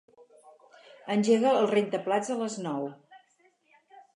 Engega el rentaplats a les nou.